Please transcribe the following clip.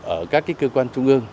ở các cơ quan trung ương